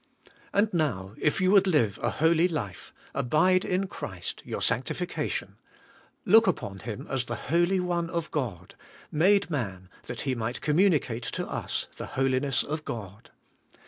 And now, if you would live a holy life, abide in Christ your sanctification. Look upon Him as the Holy One of God, made man that He might communicate to us the holiness of God.